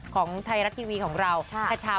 ของไทยรัฐทีวีของเรา